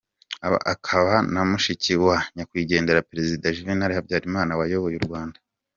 Akaba na mushiki wa Nyakwigendera Perezida Juvénal Habyarimana wayoboye u Rwanda.